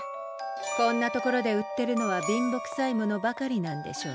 こんな所で売ってるのは貧乏くさいものばかりなんでしょうねえ。